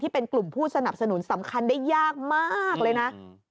เป็นกลุ่มผู้สนับสนุนสำคัญได้ยากมากเลยนะ